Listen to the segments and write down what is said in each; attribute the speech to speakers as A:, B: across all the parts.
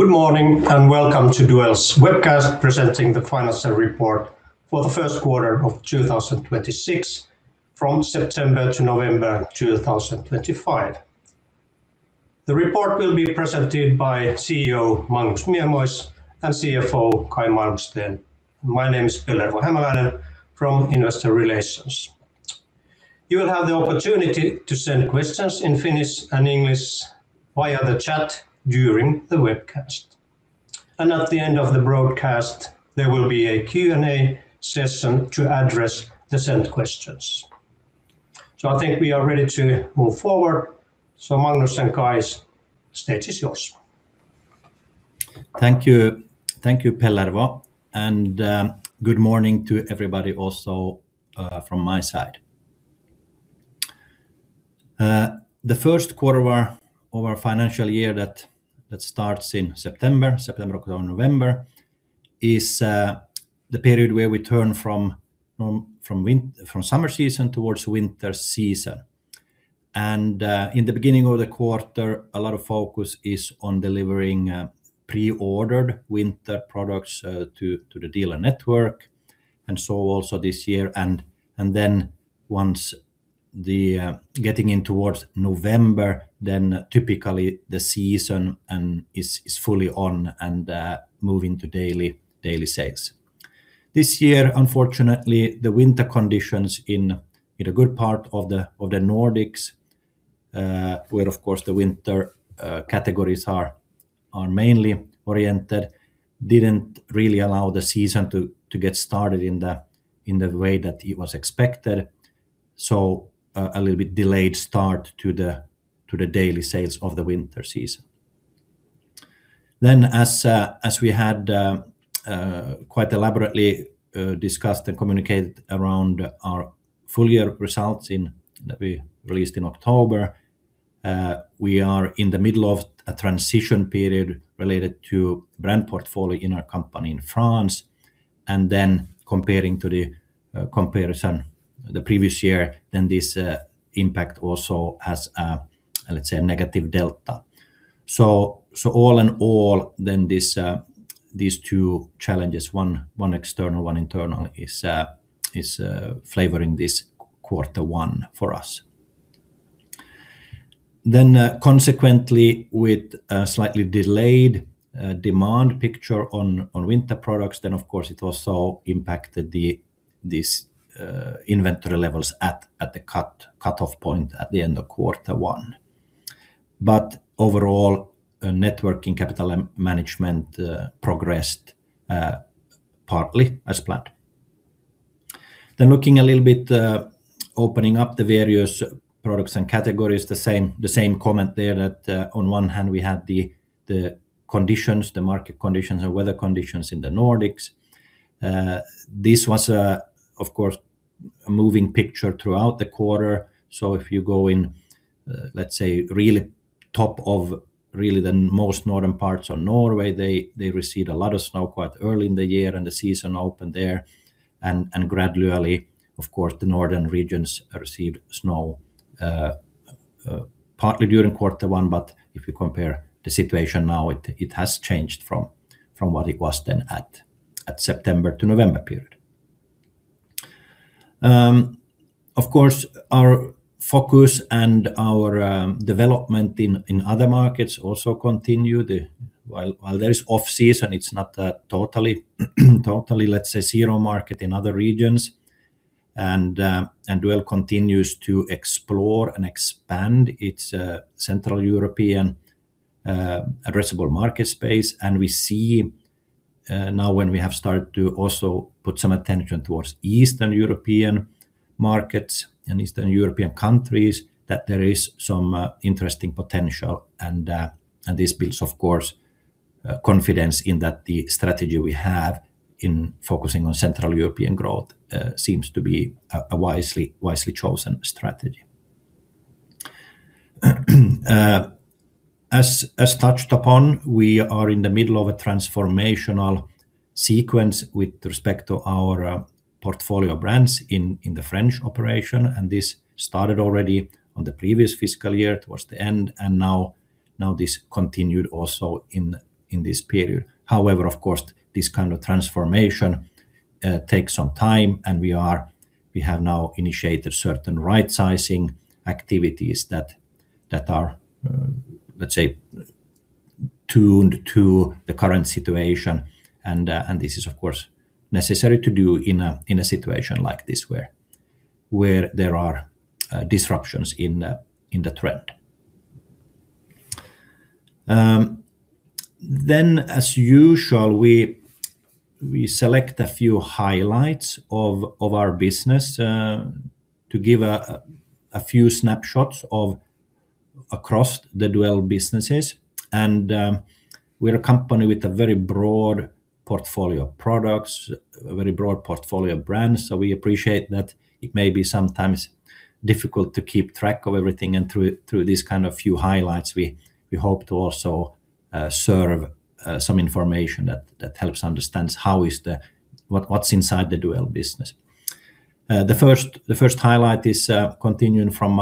A: Good morning and welcome to Duell's webcast presenting the financial report for the first quarter of 2026, from September to November 2025. The report will be presented by CEO Magnus Miemois and CFO Caj Malmsten. My name is Pellervo Hämäläinen from Investor Relations. You will have the opportunity to send questions in Finnish and English via the chat during the webcast. And at the end of the broadcast, there will be a Q&A session to address the sent questions. So I think we are ready to move forward. So Magnus and Caj, stage is yours.
B: Thank you, Pellervo, and good morning to everybody also from my side. The first quarter of our financial year that starts in September, September, October, November, is the period where we turn from summer season towards winter season, and in the beginning of the quarter, a lot of focus is on delivering pre-ordered winter products to the dealer network, and so also this year, and then once getting in towards November, then typically the season is fully on and moving to daily sales. This year, unfortunately, the winter conditions in a good part of the Nordics, where of course the winter categories are mainly oriented, didn't really allow the season to get started in the way that it was expected, so a little bit delayed start to the daily sales of the winter season. Then as we had quite elaborately discussed and communicated around our full year results that we released in October, we are in the middle of a transition period related to brand portfolio in our company in France. And then comparing to the comparison the previous year, then this impact also has a, let's say, a negative delta. So all in all, then these two challenges, one external, one internal, is flavoring this quarter one for us. Then consequently, with a slightly delayed demand picture on winter products, then of course it also impacted these inventory levels at the cut-off point at the end of quarter one. But overall, net working capital management progressed partly as planned. Then looking a little bit, opening up the various products and categories, the same comment there that on one hand we had the conditions, the market conditions and weather conditions in the Nordics. This was, of course, a moving picture throughout the quarter. So if you go in, let's say, really top of really the most northern parts of Norway, they received a lot of snow quite early in the year and the season opened there. And gradually, of course, the northern regions received snow partly during quarter one. But if you compare the situation now, it has changed from what it was then at September to November period. Of course, our focus and our development in other markets also continued. While there is off-season, it's not a totally, let's say, zero market in other regions. And Duell continues to explore and expand its Central European addressable market space. And we see now when we have started to also put some attention towards Eastern European markets and Eastern European countries that there is some interesting potential. This builds, of course, confidence in that the strategy we have in focusing on Central Europe growth seems to be a wisely chosen strategy. As touched upon, we are in the middle of a transformational sequence with respect to our portfolio brands in the French operation. This started already on the previous fiscal year towards the end. And now this continued also in this period. However, of course, this kind of transformation takes some time. We have now initiated certain right-sizing activities that are, let's say, tuned to the current situation. This is, of course, necessary to do in a situation like this where there are disruptions in the trend. As usual, we select a few highlights of our business to give a few snapshots across the Duell businesses. We're a company with a very broad portfolio of products, a very broad portfolio of brands. So we appreciate that it may be sometimes difficult to keep track of everything. And through these kind of few highlights, we hope to also serve some information that helps understand what's inside the Duell business. The first highlight is continuing from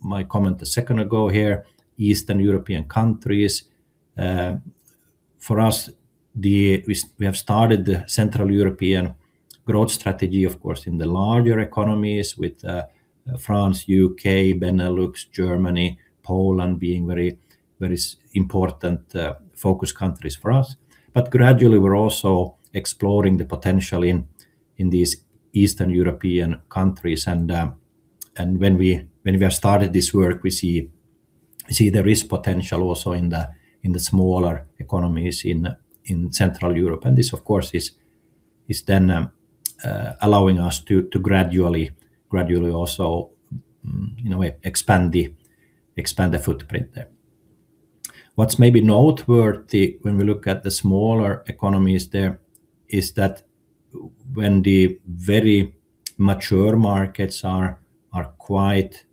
B: my comment a second ago here, Eastern European countries. For us, we have started the Central European growth strategy, of course, in the larger economies with France, U.K., Benelux, Germany, Poland being very important focus countries for us. But gradually, we're also exploring the potential in these Eastern European countries. And when we have started this work, we see there is potential also in the smaller economies in Central Europe. And this, of course, is then allowing us to gradually also expand the footprint there. What's maybe noteworthy when we look at the smaller economies there is that when the very mature markets are quite,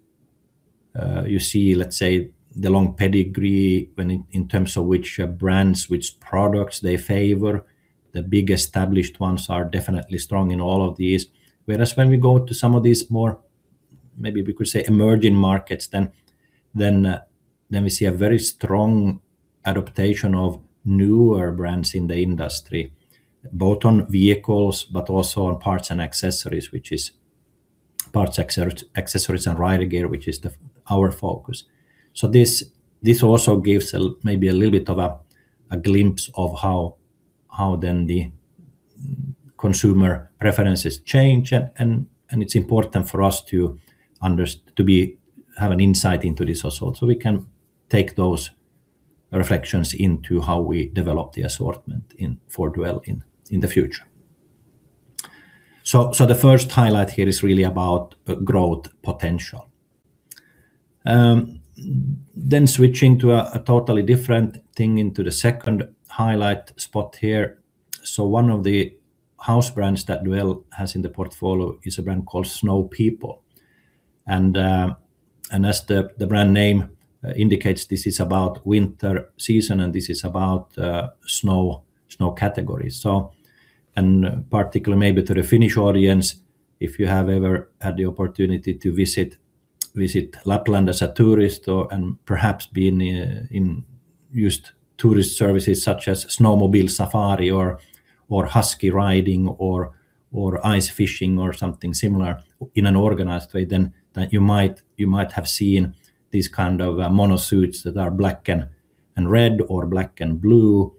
B: you see, let's say, the long pedigree in terms of which brands, which products they favor, the big established ones are definitely strong in all of these. Whereas when we go to some of these more, maybe we could say, emerging markets, then we see a very strong adaptation of newer brands in the industry, both on vehicles but also on parts and accessories, which is parts, accessories, and rider gear, which is our focus. So this also gives maybe a little bit of a glimpse of how then the consumer preferences change. And it's important for us to have an insight into this also. So we can take those reflections into how we develop the assortment for Duell in the future. The first highlight here is really about growth potential. Switching to a totally different thing into the second highlight spot here. One of the house brands that Duell has in the portfolio is a brand called Snow People. As the brand name indicates, this is about winter season and this is about snow categories. Particularly maybe to the Finnish audience, if you have ever had the opportunity to visit Lapland as a tourist and perhaps used tourist services such as snowmobile safari or husky riding or ice fishing or something similar in an organized way, then you might have seen these kind of monosuits that are black and red or black and blue.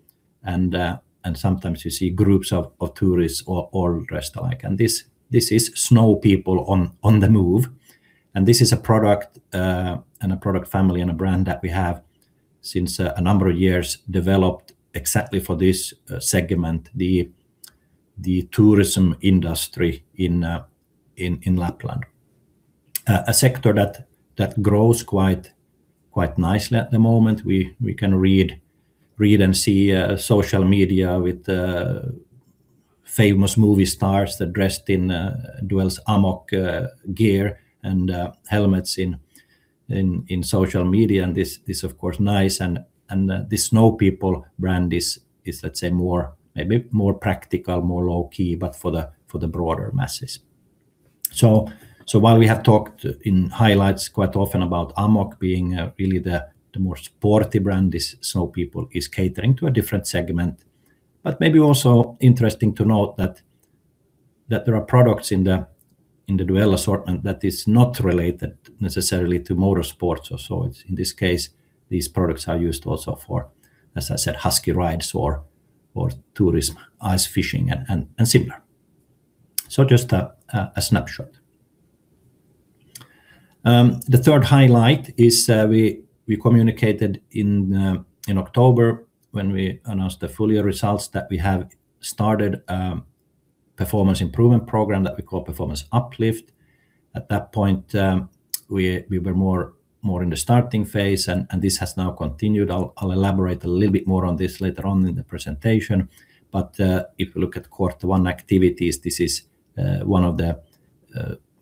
B: Sometimes you see groups of tourists all dressed alike. This is Snow People on the move. This is a product and a product family and a brand that we have since a number of years developed exactly for this segment, the tourism industry in Lapland. A sector that grows quite nicely at the moment. We can read and see social media with famous movie stars that dressed in Duell's AMOQ gear and helmets in social media. This is, of course, nice. The Snow People brand is, let's say, more practical, more low-key, but for the broader masses. While we have talked in highlights quite often about AMOQ being really the more sporty brand, this Snow People is catering to a different segment. Maybe also interesting to note that there are products in the Duell assortment that is not related necessarily to motorsports. So in this case, these products are used also for, as I said, husky rides or tourism, ice fishing and similar, so just a snapshot. The third highlight is, we communicated in October when we announced the full-year results that we have started a performance improvement program that we call Performance Uplift. At that point, we were more in the starting phase, and this has now continued. I'll elaborate a little bit more on this later on in the presentation, but if we look at quarter one activities, this is one of the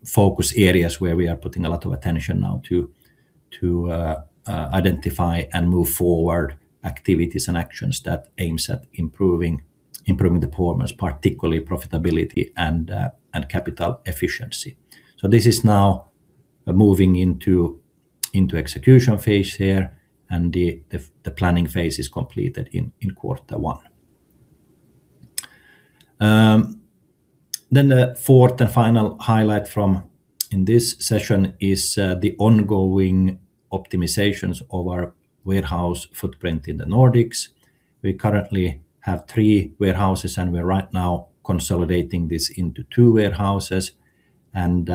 B: focus areas where we are putting a lot of attention now to identify and move forward activities and actions that aim at improving performance, particularly profitability and capital efficiency, so this is now moving into execution phase here, and the planning phase is completed in quarter one. Then the fourth and final highlight from this session is the ongoing optimizations of our warehouse footprint in the Nordics. We currently have three warehouses, and we're right now consolidating this into two warehouses, and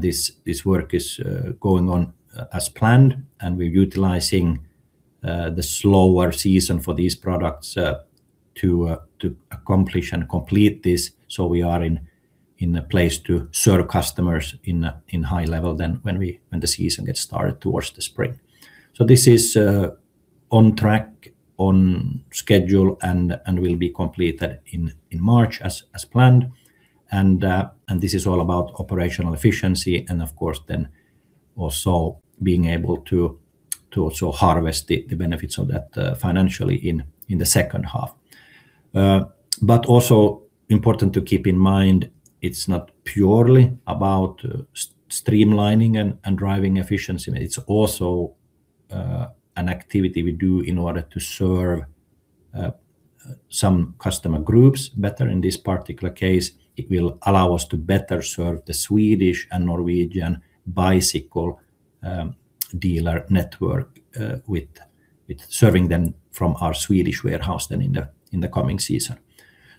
B: this work is going on as planned. We're utilizing the slower season for these products to accomplish and complete this, so we are in a place to serve customers in high level then when the season gets started towards the spring. This is on track, on schedule, and will be completed in March as planned. This is all about operational efficiency, and of course, then also being able to also harvest the benefits of that financially in the second half, but also important to keep in mind, it's not purely about streamlining and driving efficiency. It's also an activity we do in order to serve some customer groups better. In this particular case, it will allow us to better serve the Swedish and Norwegian bicycle dealer network with serving them from our Swedish warehouse then in the coming season.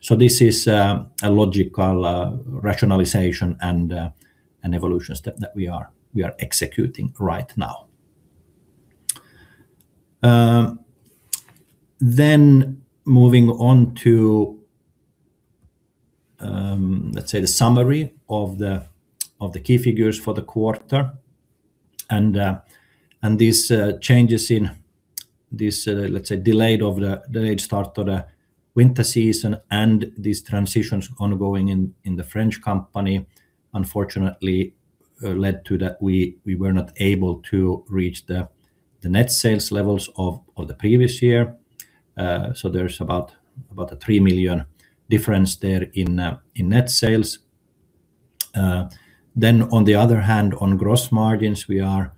B: So this is a logical rationalization and evolution step that we are executing right now. Then moving on to, let's say, the summary of the key figures for the quarter. And these changes in this, let's say, delayed start of the winter season and these transitions ongoing in the French company, unfortunately, led to that we were not able to reach the net sales levels of the previous year. So there's about a 3 million difference there in net sales. Then on the other hand, on gross margins, we are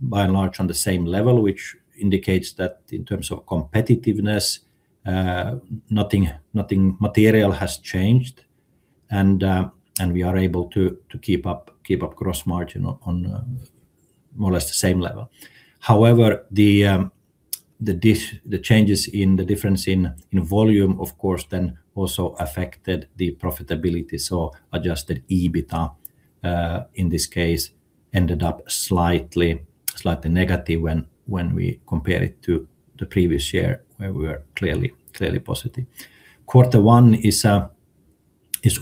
B: by and large on the same level, which indicates that in terms of competitiveness, nothing material has changed. And we are able to keep up gross margin on more or less the same level. However, the changes in the difference in volume, of course, then also affected the profitability. So Adjusted EBITDA in this case ended up slightly negative when we compare it to the previous year where we were clearly positive. Quarter one is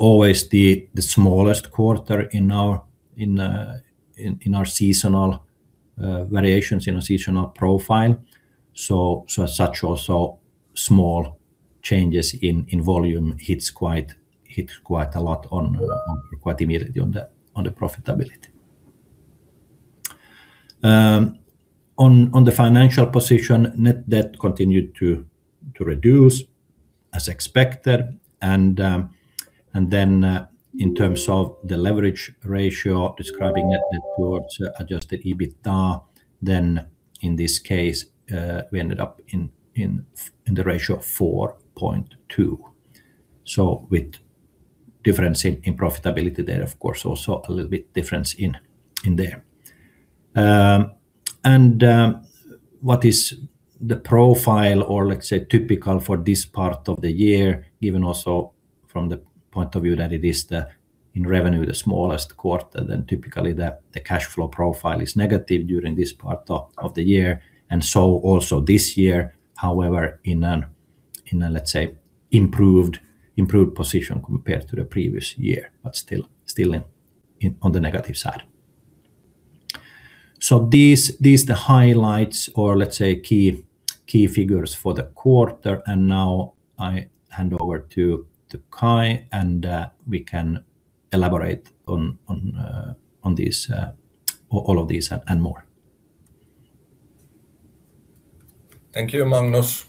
B: always the smallest quarter in our seasonal variations, in our seasonal profile. So such also small changes in volume hit quite a lot quite immediately on the profitability. On the financial position, net debt continued to reduce as expected. And then in terms of the leverage ratio describing net debt towards Adjusted EBITDA, then in this case, we ended up in the ratio of 4.2. So with difference in profitability there, of course, also a little bit difference in there. What is the profile or, let's say, typical for this part of the year, given also from the point of view that it is in revenue the smallest quarter? Then typically the cash flow profile is negative during this part of the year. And so also this year, however, in a, let's say, improved position compared to the previous year, but still on the negative side. So these are the highlights or, let's say, key figures for the quarter. And now I hand over to Caj Malmsten, and we can elaborate on all of these and more.
C: Thank you, Magnus.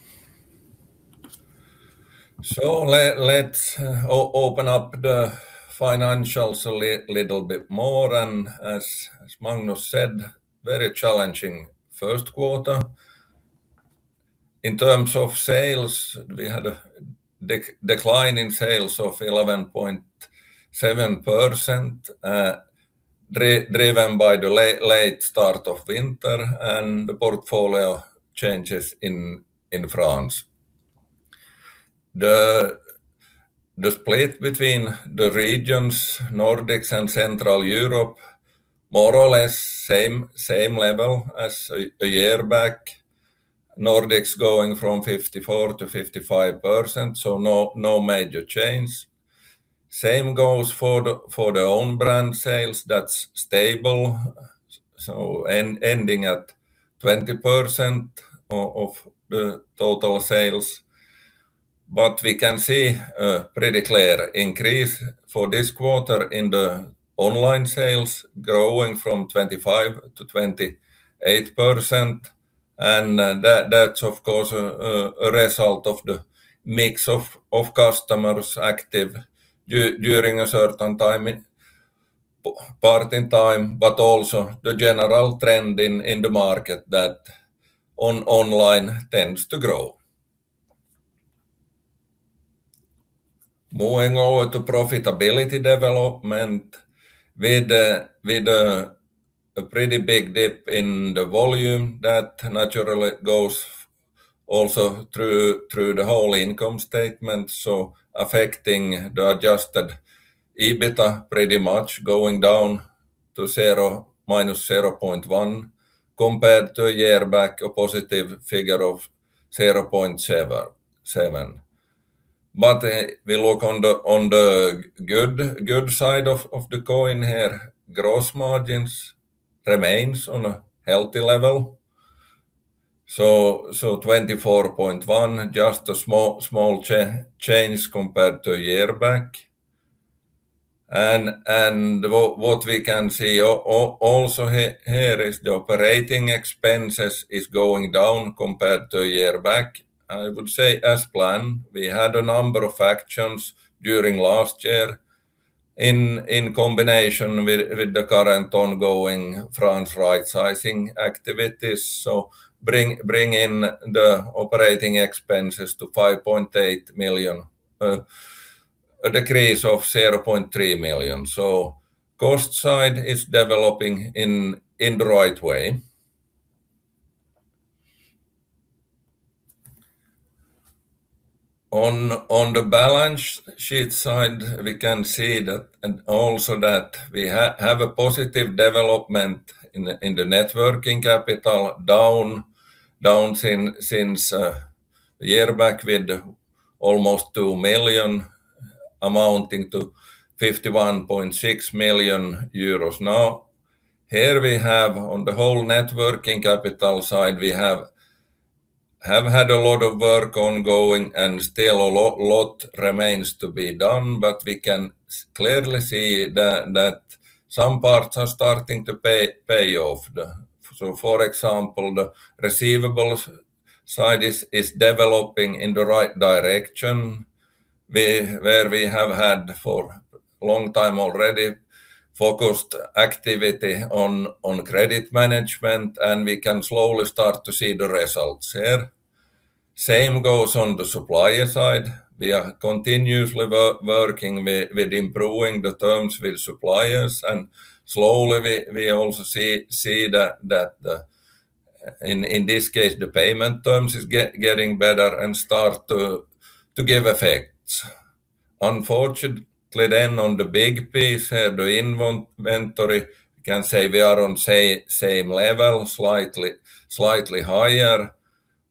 C: Let's open up the financials a little bit more. And as Magnus said, very challenging first quarter. In terms of sales, we had a decline in sales of 11.7%, driven by the late start of winter and the portfolio changes in France. The split between the regions, Nordics and Central Europe, more or less same level as a year back. Nordics going from 54%-55%, so no major change. Same goes for the own brand sales, that's stable. So ending at 20% of the total sales. But we can see a pretty clear increase for this quarter in the online sales, growing from 25%-28%. And that's, of course, a result of the mix of customers active during a certain part in time, but also the general trend in the market that online tends to grow. Moving over to profitability development, with a pretty big dip in the volume that naturally goes also through the whole income statement, so affecting the adjusted EBITDA pretty much, going down to -0.1 compared to a year back, a positive figure of 0.7. But we look on the good side of the coin here. Gross margins remain on a healthy level. So 24.1, just a small change compared to a year back. And what we can see also here is the operating expenses is going down compared to a year back, I would say, as planned. We had a number of actions during last year in combination with the current ongoing France rightsizing activities. So bring in the operating expenses to 5.8 million, a decrease of 0.3 million. So cost side is developing in the right way. On the balance sheet side, we can see also that we have a positive development in the net working capital, down since a year back with almost 2 million amounting to 51.6 million euros now. Here we have, on the whole net working capital side, we have had a lot of work ongoing and still a lot remains to be done. But we can clearly see that some parts are starting to pay off. So for example, the receivables side is developing in the right direction, where we have had for a long time already focused activity on credit management. And we can slowly start to see the results here. Same goes on the supplier side. We are continuously working with improving the terms with suppliers. And slowly we also see that in this case, the payment terms are getting better and start to give effects. Unfortunately, then on the big piece here, the inventory, we can say we are on same level, slightly higher.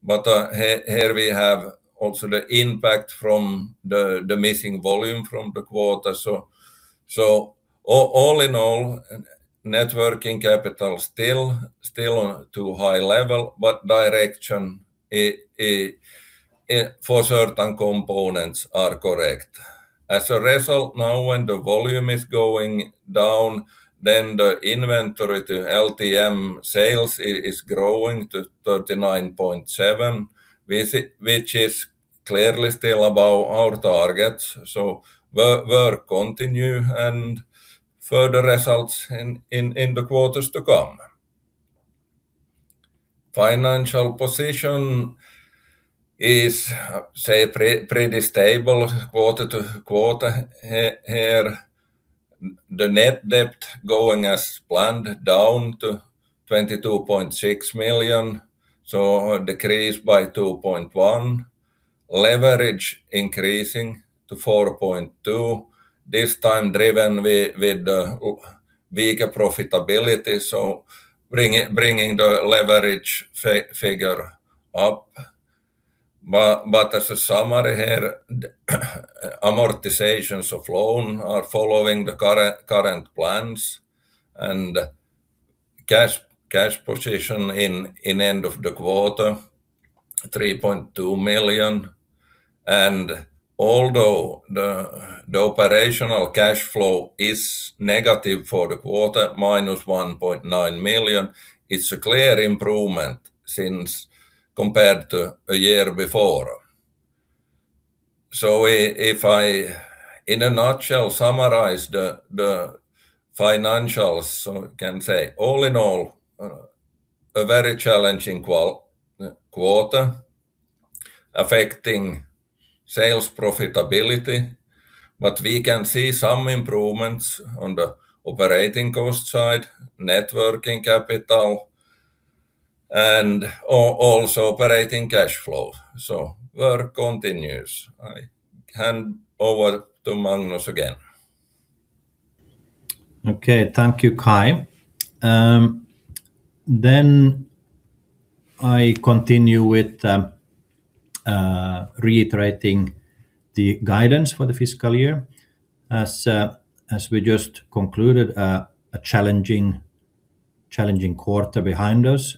C: But here we have also the impact from the missing volume from the quarter. All in all, net working capital is still on a high level, but direction for certain components is correct. As a result, now when the volume is going down, then the inventory to LTM sales is growing to 39.7, which is clearly still above our targets. Work continues and further results in the quarters to come. Financial position is, say, pretty stable quarter to quarter here. The net debt is going as planned down to 22.6 million, so a decrease by 2.1 million. Leverage is increasing to 4.2, this time driven with the weaker profitability, so bringing the leverage figure up. But as a summary here, amortizations of loans are following the current plans. And cash position in the end of the quarter, 3.2 million. And although the operational cash flow is negative for the quarter, -1.9 million, it's a clear improvement since compared to a year before. So if I, in a nutshell, summarize the financials, so we can say all in all, a very challenging quarter affecting sales profitability. But we can see some improvements on the operating cost side, net working capital, and also operating cash flow. So work continues. I hand over to Magnus again. Okay, thank you, Caj Malmsten. Then I continue with reiterating the guidance for the fiscal year. As we just concluded, a challenging quarter behind us.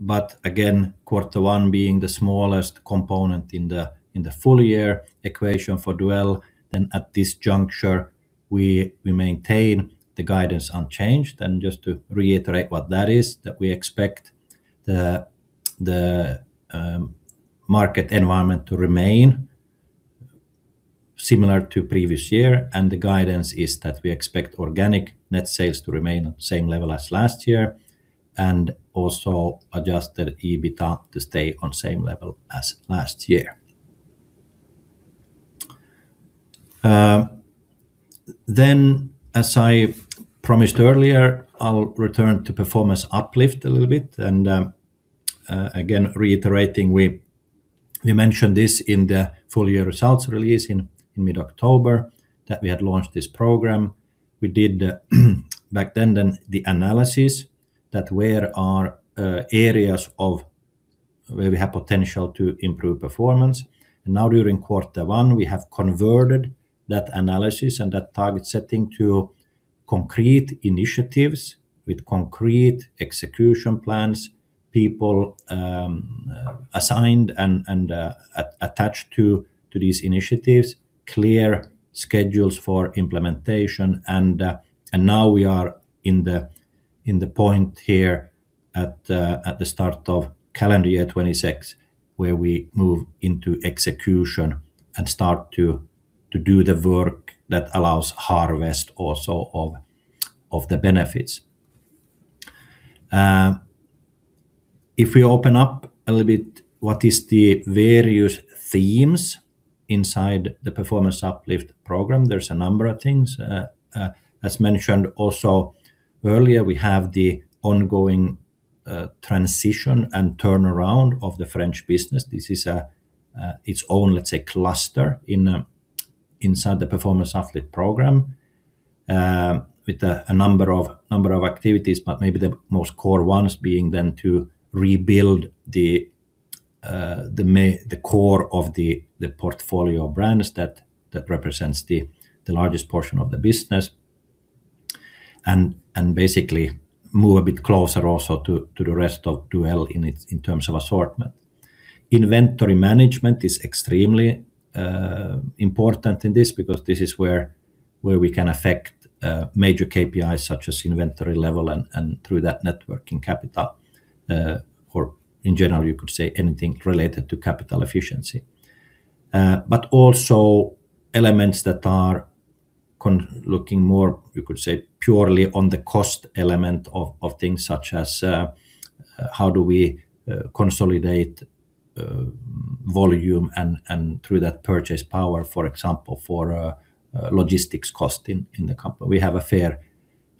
C: But again, quarter one being the smallest component in the full year equation for Duell. Then at this juncture, we maintain the guidance unchanged. And just to reiterate what that is, that we expect the market environment to remain similar to previous year. And the guidance is that we expect organic net sales to remain at the same level as last year. And also adjusted EBITDA to stay on the same level as last year. Then, as I promised earlier, I'll return to Performance Uplift a little bit. And again, reiterating, we mentioned this in the full year results release in mid-October that we had launched this program. We did back then the analysis that where are areas where we have potential to improve performance. And now during quarter one, we have converted that analysis and that target setting to concrete initiatives with concrete execution plans, people assigned and attached to these initiatives, clear schedules for implementation. And now we are in the point here at the start of calendar year 2026, where we move into execution and start to do the work that allows harvest also of the benefits. If we open up a little bit, what is the various themes inside the Performance Uplift program? There's a number of things. As mentioned also earlier, we have the ongoing transition and turnaround of the French business. This is its own, let's say, cluster inside the Performance Uplift program with a number of activities, but maybe the most core ones being then to rebuild the core of the portfolio of brands that represents the largest portion of the business, and basically move a bit closer also to the rest of Duell in terms of assortment. Inventory management is extremely important in this because this is where we can affect major KPIs such as inventory level and through that net working capital, or in general, you could say anything related to capital efficiency, but also elements that are looking more, you could say, purely on the cost element of things such as how do we consolidate volume and through that purchasing power, for example, for logistics costs in the company. We have a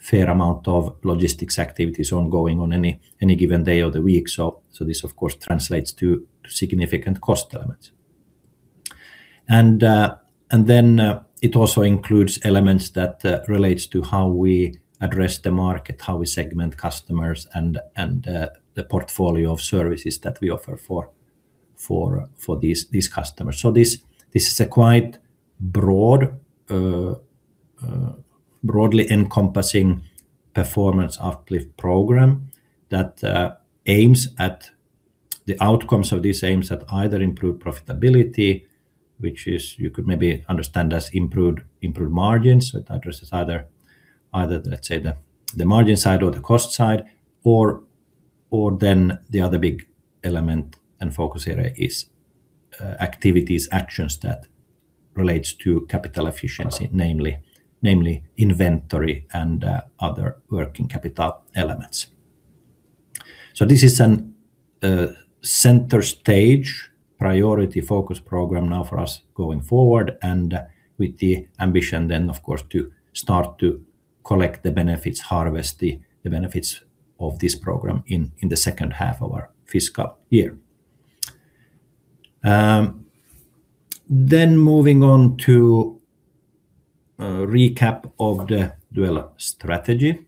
C: fair amount of logistics activities ongoing on any given day of the week. So this, of course, translates to significant cost elements. And then it also includes elements that relate to how we address the market, how we segment customers, and the portfolio of services that we offer for these customers. So this is a quite broadly encompassing Performance Uplift program that aims at the outcomes of these aims that either improve profitability, which you could maybe understand as improved margins. It addresses either, let's say, the margin side or the cost side. Or then the other big element and focus area is activities, actions that relate to capital efficiency, namely inventory and other working capital elements. So this is a center stage priority focus program now for us going forward, and with the ambition then, of course, to start to collect the benefits, harvest the benefits of this program in the second half of our fiscal year. Then moving on to a recap of the Duell strategy.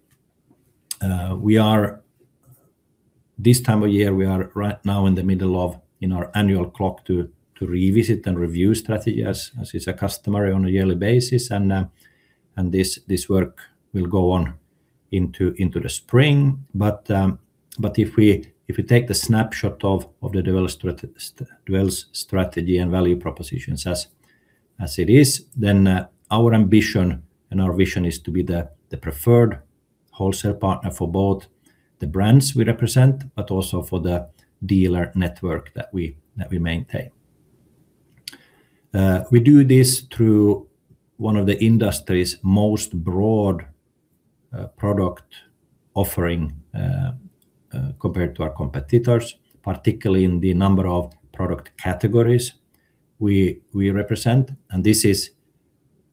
C: This time of year, we are right now in the middle of our annual cycle to revisit and review strategies as a company on a yearly basis. And this work will go on into the spring. But if we take the snapshot of the Duell strategy and value propositions as it is, then our ambition and our vision is to be the preferred wholesale partner for both the brands we represent, but also for the dealer network that we maintain. We do this through one of the industry's most broad product offering compared to our competitors, particularly in the number of product categories we represent. And this is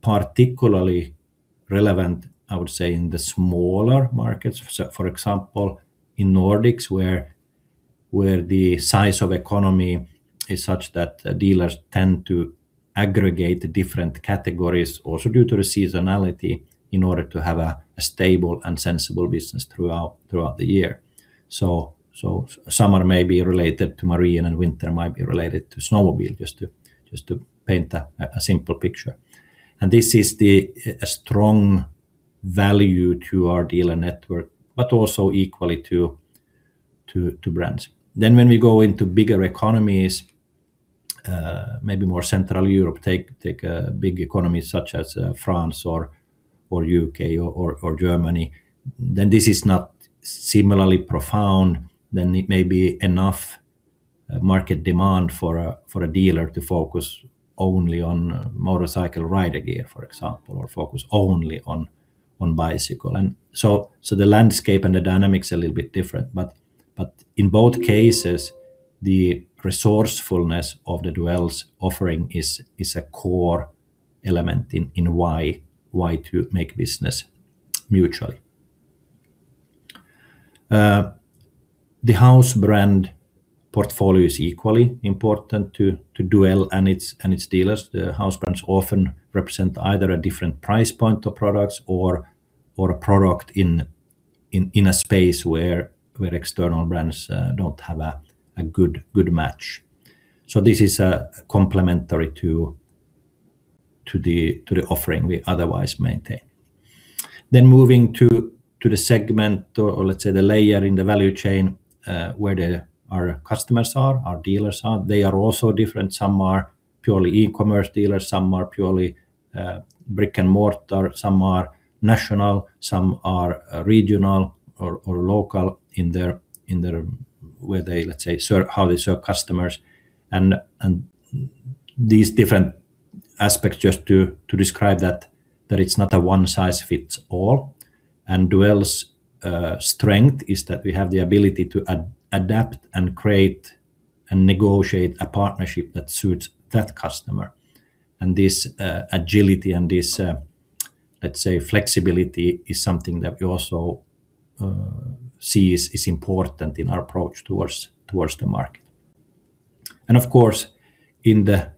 C: particularly relevant, I would say, in the smaller markets. For example, in Nordics, where the size of economy is such that dealers tend to aggregate different categories, also due to the seasonality, in order to have a stable and sensible business throughout the year. So summer may be related to marine and winter might be related to snowmobile, just to paint a simple picture. And this is a strong value to our dealer network, but also equally to brands. Then when we go into bigger economies, maybe more Central Europe, take big economies such as France or U.K. or Germany, then this is not similarly profound. Then it may be enough market demand for a dealer to focus only on motorcycle rider gear, for example, or focus only on bicycle. And so the landscape and the dynamics are a little bit different. But in both cases, the resourcefulness of the Duell's offering is a core element in why to make business mutually. The house brand portfolio is equally important to Duell and its dealers. The house brands often represent either a different price point of products or a product in a space where external brands don't have a good match. So this is complementary to the offering we otherwise maintain. Then moving to the segment or, let's say, the layer in the value chain where our customers are, our dealers are, they are also different. Some are purely e-commerce dealers, some are purely brick and mortar, some are national, some are regional or local in where they, let's say, how they serve customers. And these different aspects just to describe that it's not a one-size-fits-all. And Duell's strength is that we have the ability to adapt and create and negotiate a partnership that suits that customer. And this agility and this, let's say, flexibility is something that we also see is important in our approach towards the market. And of course, in the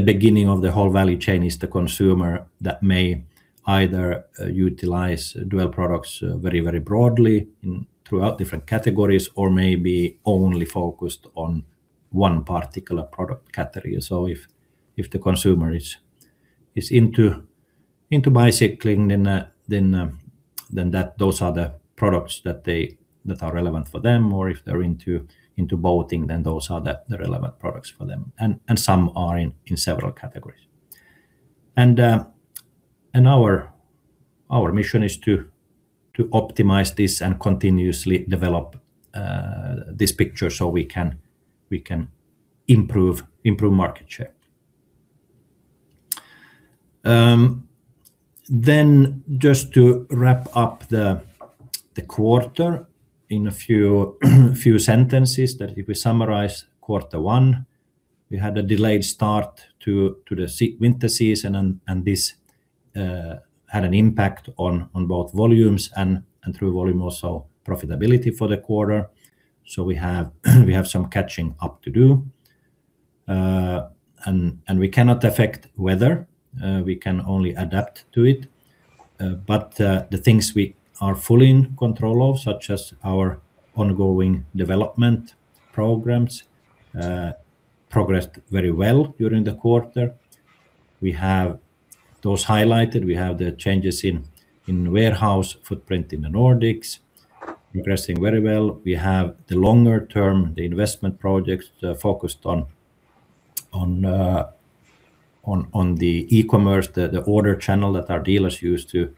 C: beginning of the whole value chain is the consumer that may either utilize Duell products very, very broadly throughout different categories or maybe only focused on one particular product category. So if the consumer is into bicycling, then those are the products that are relevant for them. Or if they're into boating, then those are the relevant products for them. And some are in several categories. And our mission is to optimize this and continuously develop this picture so we can improve market share. Then just to wrap up the quarter in a few sentences, that if we summarize quarter one, we had a delayed start to the winter season, and this had an impact on both volumes and through volume also profitability for the quarter. So we have some catching up to do. And we cannot affect weather. We can only adapt to it. But the things we are fully in control of, such as our ongoing development programs, progressed very well during the quarter. We have those highlighted. We have the changes in warehouse footprint in the Nordics, progressing very well. We have the longer-term, the investment projects focused on the e-commerce, the order channel that our dealers use to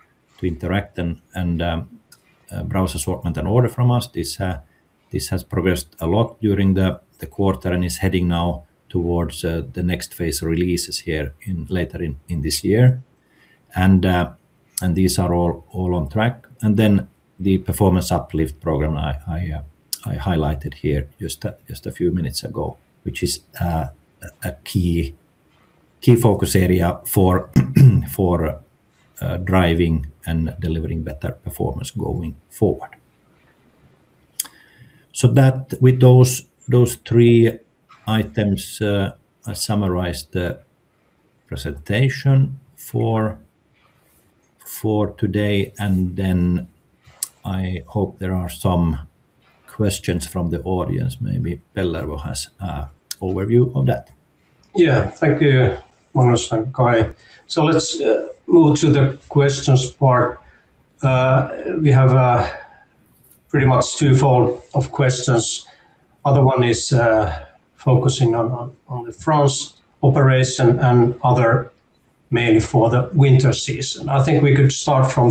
C: interact and browse assortment and order from us. This has progressed a lot during the quarter and is heading now towards the next phase releases here later in this year. These are all on track. Then the performance uplift program I highlighted here just a few minutes ago, which is a key focus area for driving and delivering better performance going forward. With those three items, I summarized the presentation for today. Then I hope there are some questions from the audience. Maybe Pellervo has an overview of that.
A: Yeah, thank you, Magnus and Caj Malmsten. Let's move to the questions part. We have pretty much twofold of questions. The other one is focusing on the France operation and the other mainly for the winter season. I think we could start from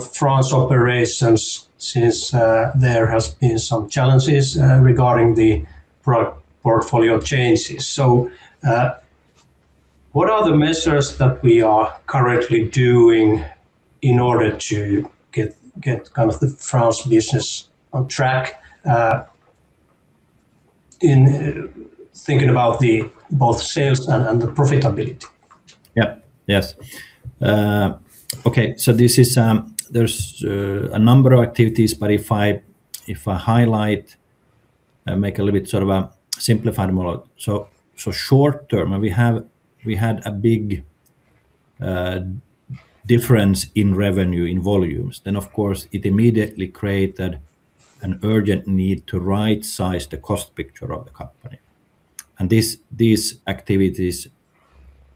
A: France operations since there have been some challenges regarding the product portfolio changes. So what are the measures that we are currently doing in order to get kind of the France business on track in thinking about both sales and the profitability?
B: Yeah, yes. Okay, so there's a number of activities, but if I highlight, make a little bit sort of a simplified model. So short term, we had a big difference in revenue in volumes. Then, of course, it immediately created an urgent need to right-size the cost picture of the company. And these activities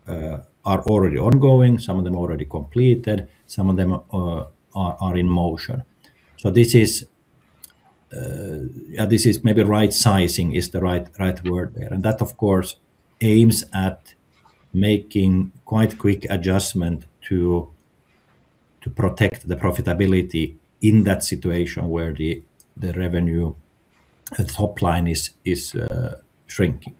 B: are already ongoing. Some of them are already completed. Some of them are in motion. So this is maybe right-sizing is the right word there. And that, of course, aims at making quite quick adjustment to protect the profitability in that situation where the revenue top line is shrinking.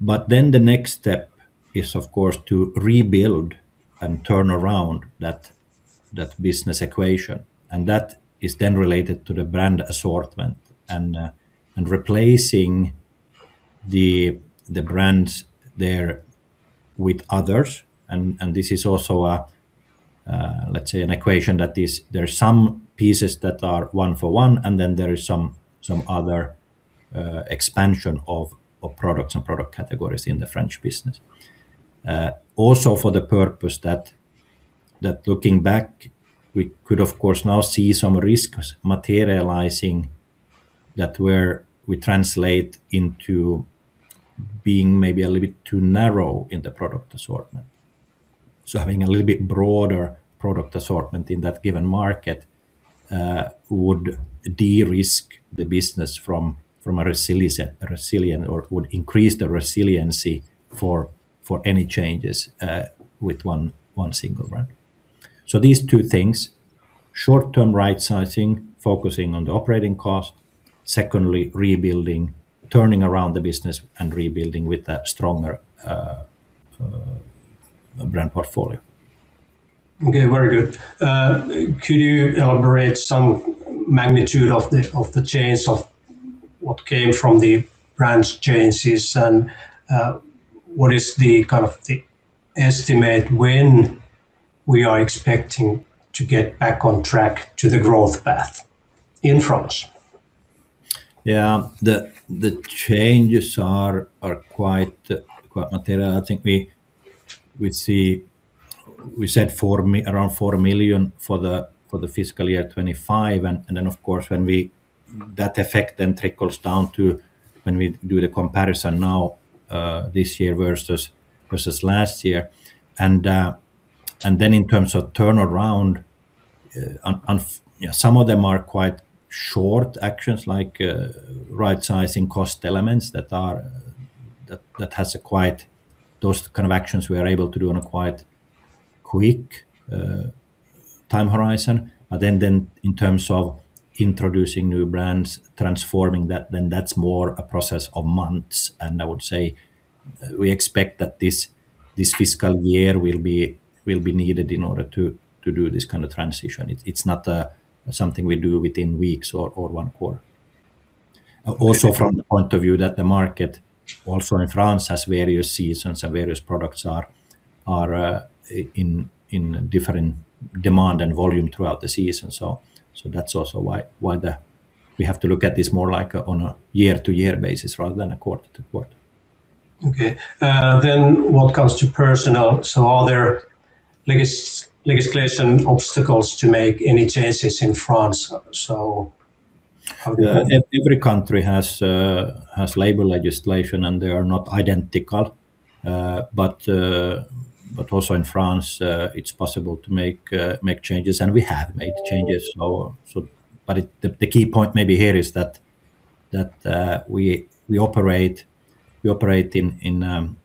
B: But then the next step is, of course, to rebuild and turn around that business equation. That is then related to the brand assortment and replacing the brands there with others. This is also, let's say, an equation that there are some pieces that are one for one, and then there is some other expansion of products and product categories in the French business. Also for the purpose that looking back, we could, of course, now see some risks materializing that we translate into being maybe a little bit too narrow in the product assortment. Having a little bit broader product assortment in that given market would de-risk the business from a resilient or would increase the resiliency for any changes with one single brand. These two things, short-term right-sizing, focusing on the operating cost. Secondly, rebuilding, turning around the business and rebuilding with a stronger brand portfolio.
A: Okay, very good. Could you elaborate some magnitude of the change of what came from the brand changes? And what is the kind of estimate when we are expecting to get back on track to the growth path in France?
B: Yeah, the changes are quite material. I think we said around 4 million for the fiscal year 2025. And then, of course, that effect then trickles down to when we do the comparison now this year versus last year, and then in terms of turnaround, some of them are quite short actions like right-sizing cost elements that has quite those kind of actions we are able to do on a quite quick time horizon. But then in terms of introducing new brands, transforming that, then that's more a process of months. I would say we expect that this fiscal year will be needed in order to do this kind of transition. It's not something we do within weeks or one quarter. Also, from the point of view that the market, also in France, has various seasons and various products are in different demand and volume throughout the season, so that's also why we have to look at this more like on a year-to-year basis rather than a quarter-to-quarter.
A: Okay. Then, what comes to personnel? So, are there legislative obstacles to make any changes in France?
B: Every country has labor legislation, and they are not identical, but also in France, it's possible to make changes, and we have made changes. The key point maybe here is that we operate in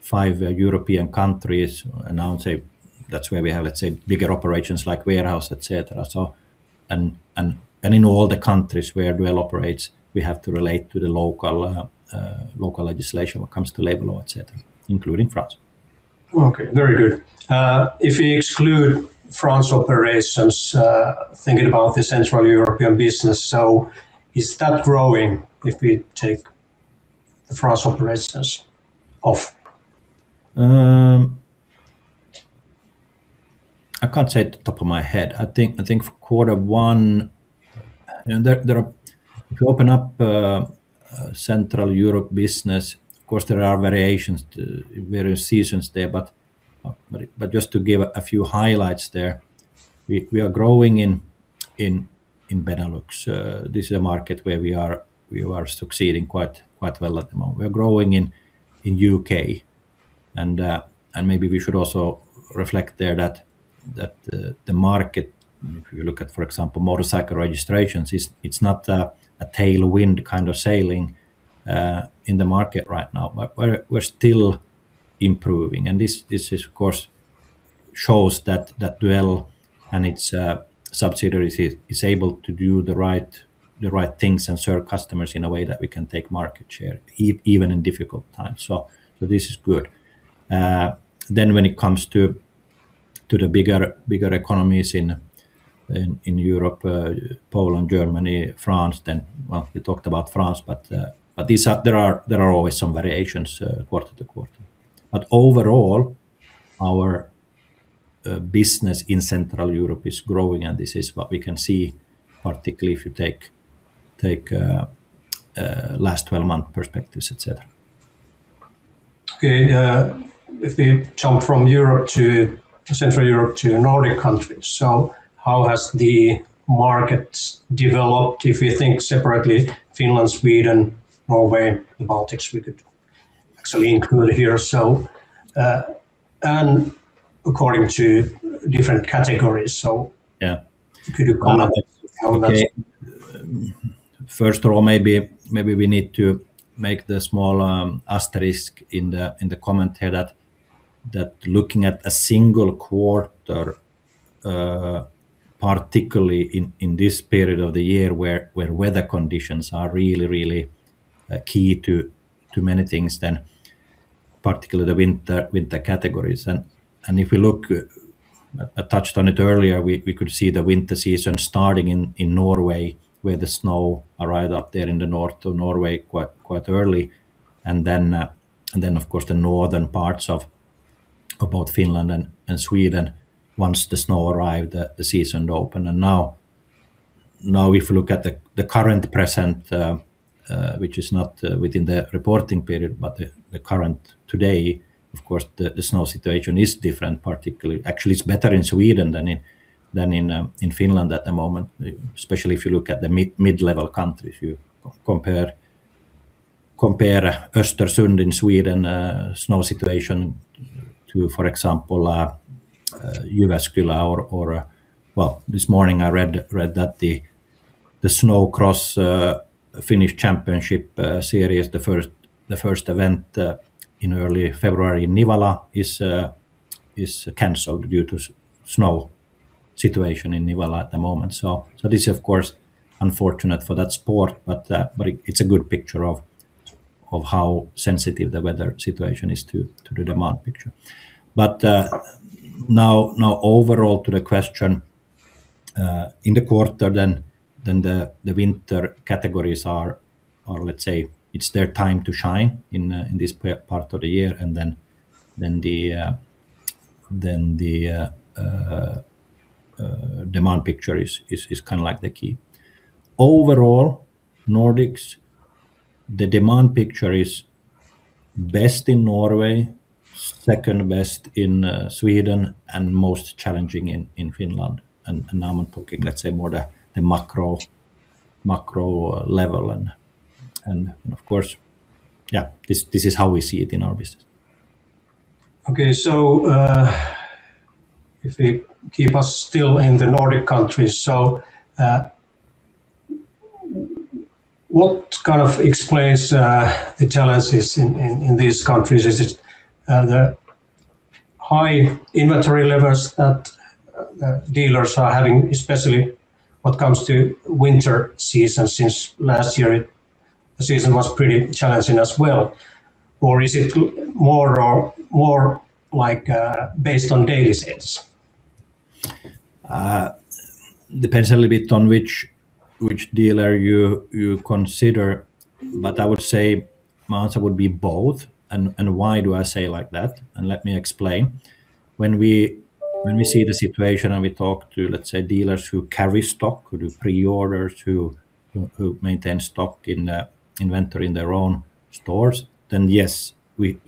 B: five European countries, and I would say that's where we have, let's say, bigger operations like warehouse, etc. In all the countries where Duell operates, we have to relate to the local legislation when it comes to label or etc., including France.
A: Okay, very good. If we exclude France operations, thinking about the Central Europe business, so is that growing if we take the France operations off?
B: I can't say off the top of my head. I think for quarter one, to open up Central Europe business, of course, there are variations, various seasons there. But just to give a few highlights there, we are growing in Benelux. This is a market where we are succeeding quite well at the moment. We are growing in U.K. And maybe we should also reflect there that the market, if you look at, for example, motorcycle registrations, it's not a tailwind kind of sailing in the market right now. We're still improving. And this, of course, shows that Duell and its subsidiaries is able to do the right things and serve customers in a way that we can take market share even in difficult times. So this is good. Then when it comes to the bigger economies in Europe, Poland, Germany, France, then we talked about France, but there are always some variations quarter to quarter. But overall, our business in Central Europe is growing. And this is what we can see, particularly if you take last 12-month perspectives, etc.
A: Okay, if we jump from Central Europe to Nordic countries, so how has the market developed? If we think separately, Finland, Sweden, Norway, the Baltics, we could actually include here. And according to different categories, so could you comment?
B: First of all, maybe we need to make the small asterisk in the comment here that looking at a single quarter, particularly in this period of the year where weather conditions are really, really key to many things, then particularly the winter categories, and if we look, I touched on it earlier, we could see the winter season starting in Norway where the snow arrived up there in the north of Norway quite early. And then, of course, the northern parts of both Finland and Sweden, once the snow arrived, the season opened. Now if we look at the current present, which is not within the reporting period, but the current today, of course, the snow situation is different, particularly actually it's better in Sweden than in Finland at the moment, especially if you look at the mid-level countries. You compare Östersund in Sweden, snow situation to, for example, Jyväskylä, or, well, this morning I read that the snowcross Finnish championship series, the first event in early February in Nivala, is canceled due to snow situation in Nivala at the moment, so this is, of course, unfortunate for that sport, but it's a good picture of how sensitive the weather situation is to the demand picture, but now overall to the question in the quarter, then the winter categories are, let's say, it's their time to shine in this part of the year, and then the demand picture is kind of like the key. Overall, Nordics, the demand picture is best in Norway, second best in Sweden, and most challenging in Finland, and now I'm talking, let's say, more the macro level, and of course, yeah, this is how we see it in our business.
A: Okay, so if we keep us still in the Nordic countries, so what kind of explains the challenges in these countries? Is it the high inventory levels that dealers are having, especially what comes to winter season since last year? The season was pretty challenging as well. Or is it more like based on daily sales?
B: Depends a little bit on which dealer you consider. But I would say my answer would be both. And why do I say like that? And let me explain. When we see the situation and we talk to, let's say, dealers who carry stock, who do pre-orders, who maintain stock in the inventory in their own stores, then yes, we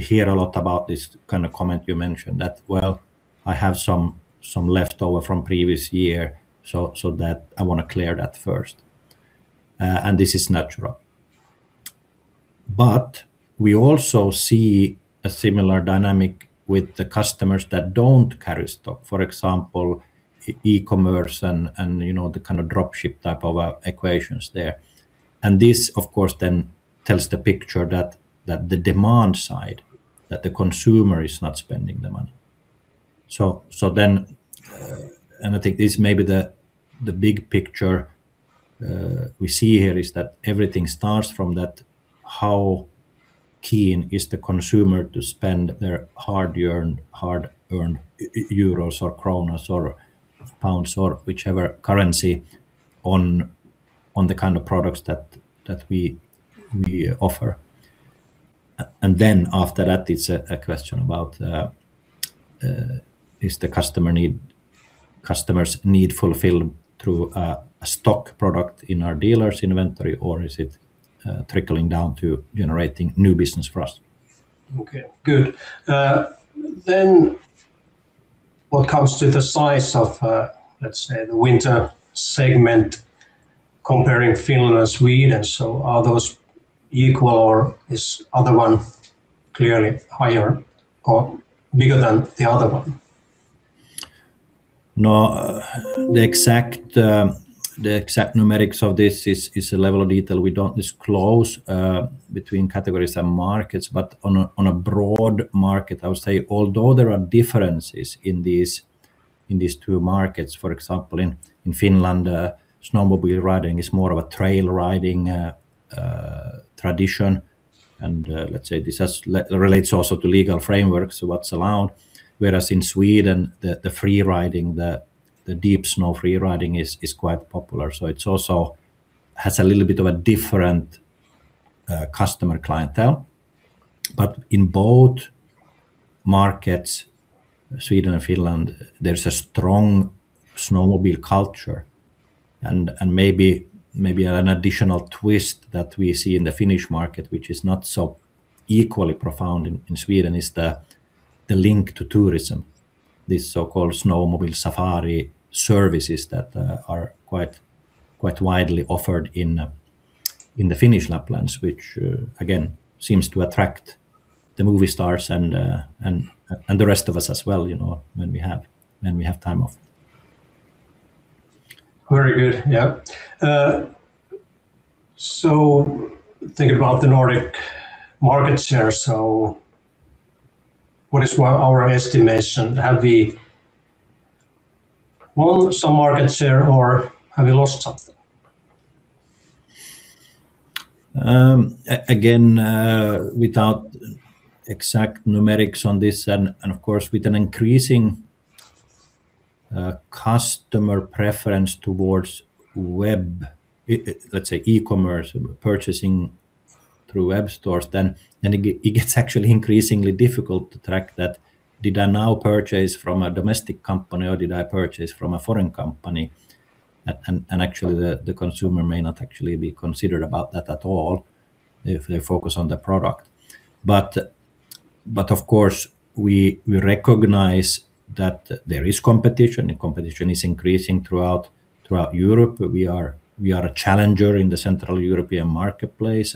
B: hear a lot about this kind of comment you mentioned that, well, I have some leftover from previous year, so I want to clear that first. And this is natural. But we also see a similar dynamic with the customers that don't carry stock, for example, e-commerce and the kind of dropship type of equations there. And this, of course, then tells the picture that the demand side, that the consumer is not spending the money. So then, and I think this is maybe the big picture we see here is that everything starts from that how keen is the consumer to spend their hard-earned euros or kronas or pounds or whichever currency on the kind of products that we offer. And then after that, it's a question about is the customer's need fulfilled through a stock product in our dealer's inventory, or is it trickling down to generating new business for us?
A: Okay, good. Then what comes to the size of, let's say, the winter segment comparing Finland and Sweden? So are those equal or is the other one clearly higher or bigger than the other one?
B: No, the exact numerics of this is a level of detail we don't disclose between categories and markets. But on a broad market, I would say, although there are differences in these two markets, for example, in Finland, snowmobile riding is more of a trail riding tradition. And let's say this relates also to legal frameworks, what's allowed. Whereas in Sweden, the freeriding, the deep snow freeriding is quite popular. So it also has a little bit of a different customer clientele. But in both markets, Sweden and Finland, there's a strong snowmobile culture. Maybe an additional twist that we see in the Finnish market, which is not so equally profound in Sweden, is the link to tourism, these so-called snowmobile safari services that are quite widely offered in the Finnish Lapland, which again seems to attract the movie stars and the rest of us as well when we have time of it.
A: Very good. Yeah. Thinking about the Nordic market share, what is our estimation? Have we won some market share or have we lost something?
B: Again, without exact numerics on this, and of course, with an increasing customer preference towards web, let's say, e-commerce purchasing through web stores, then it gets actually increasingly difficult to track that. Did I now purchase from a domestic company or did I purchase from a foreign company? Actually, the consumer may not actually be concerned about that at all if they focus on the product. Of course, we recognize that there is competition. Competition is increasing throughout Europe. We are a challenger in the Central European marketplace.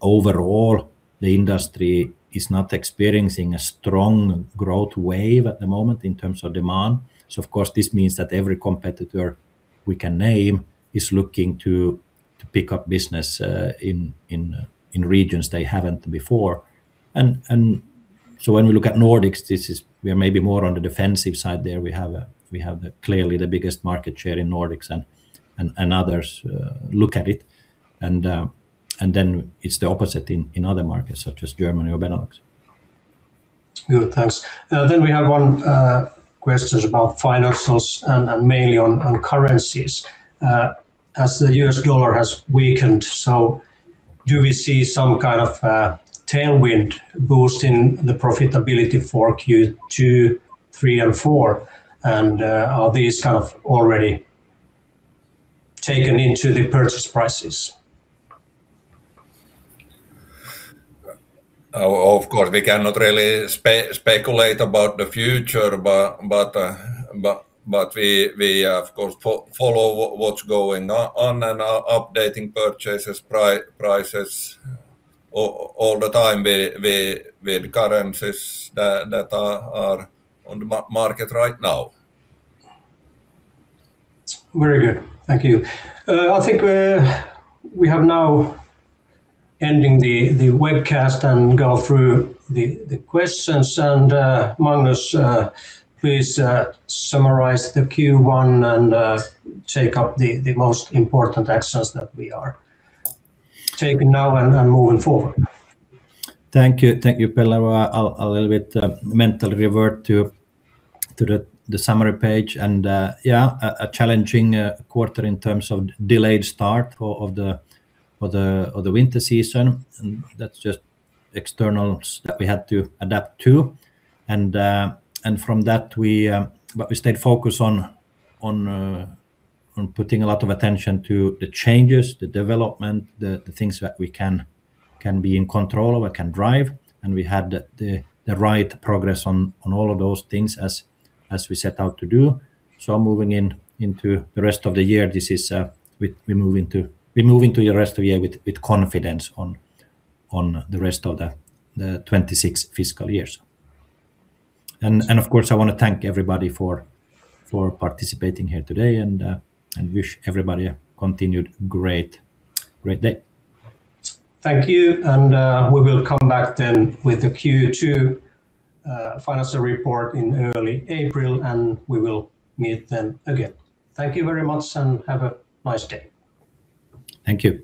B: Overall, the industry is not experiencing a strong growth wave at the moment in terms of demand. Of course, this means that every competitor we can name is looking to pick up business in regions they haven't before. When we look at Nordics, we are maybe more on the defensive side there. We have clearly the biggest market share in Nordics, and others look at it. It's the opposite in other markets such as Germany or Benelux.
A: Good. Thanks. We have one question about financials and mainly on currencies. As the US dollar has weakened, so do we see some kind of tailwind boost in the profitability for Q2, Q3, and Q4? And are these kind of already taken into the purchase prices?
C: Of course, we cannot really speculate about the future, but we, of course, follow what's going on and are updating purchase prices all the time with currencies that are on the market right now.
A: Very good. Thank you. I think we have now ending the webcast and go through the questions. And Magnus, please summarize the Q1 and take up the most important actions that we are taking now and moving forward.
B: Thank you. Thank you, Pelle. I'll a little bit mentally revert to the summary page. And yeah, a challenging quarter in terms of delayed start of the winter season. That's just external that we had to adapt to. And from that, we stayed focused on putting a lot of attention to the changes, the development, the things that we can be in control of, can drive. And we had the right progress on all of those things as we set out to do. So moving into the rest of the year, we move into the rest of the year with confidence on the rest of the 26 fiscal years. And of course, I want to thank everybody for participating here today and wish everybody a continued great day.
A: Thank you. And we will come back then with the Q2 financial report in early April, and we will meet then again. Thank you very much and have a nice day.
B: Thank you.